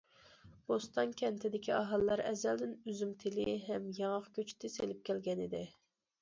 بوستان كەنتىدىكى ئاھالىلەر ئەزەلدىن ئۈزۈم تېلى ھەم ياڭاق كۆچىتى سېلىپ كەلگەنىدى.